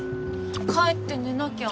帰って寝なきゃ。